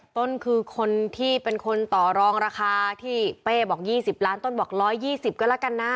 ต้นคือคนที่เป็นคนต่อรองราคาที่เป้บอก๒๐ล้านต้นบอก๑๒๐ก็แล้วกันนะ